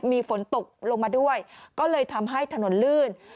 มีฝนตกลงมาด้วยก็เลยทำให้ถนนลื่น